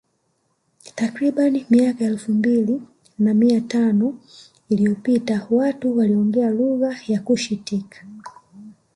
Takriban miaka elfu mbili na mia tano iliyopita watu walionge lugha ya Cushitic